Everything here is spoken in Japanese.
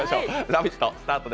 「ラヴィット！」